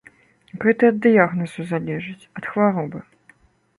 Гэта ад дыягназу залежыць, ад хваробы.